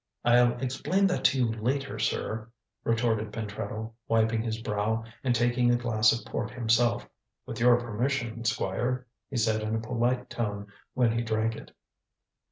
"I'll explain that to you later, sir," retorted Pentreddle, wiping his brow, and taking a glass of port himself. "With your permission, Squire," he said in a polite tone when he drank it.